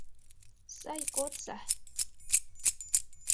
Сай кодса...